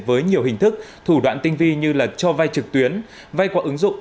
với nhiều hình thức thủ đoạn tinh vi như là cho vay trực tuyến vay qua ứng dụng